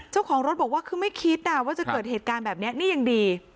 เจ้าของรถบอกว่าคือไม่คิดว่าจะเกิดเหตุการณ์แบบนี้นี่ยังดี